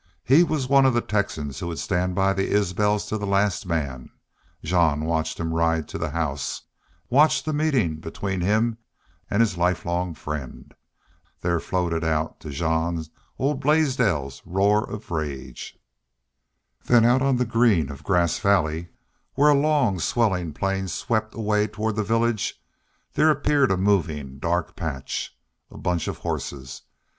He was one of the Texans who would stand by the Isbels to the last man. Jean watched him ride to the house watched the meeting between him and his lifelong friend. There floated out to Jean old Blaisdell's roar of rage. Then out on the green of Grass Valley, where a long, swelling plain swept away toward the village, there appeared a moving dark patch. A bunch of horses!